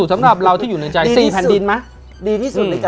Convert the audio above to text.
แมทโอปอล์